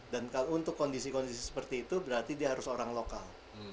dan kalau untuk kondisi kondisi seperti itu berarti dia harus orang lokal